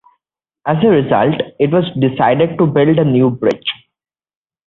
As a result, it was decided to build a new bridge.